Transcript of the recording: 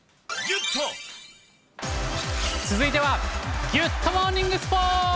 続いては、ギュッとモーニングスポーツ。